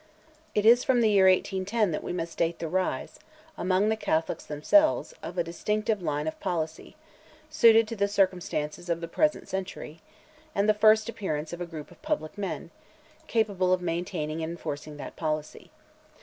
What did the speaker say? It is from the year 1810 that we must date the rise, among the Catholics themselves, of a distinctive line of policy, suited to the circumstances of the present century, and the first appearance of a group of public men, capable of maintaining and enforcing that policy.